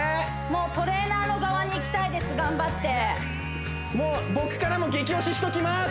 もうトレーナーの側に行きたいです頑張ってもう僕からも激推ししときます